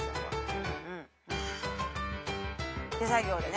手作業でね。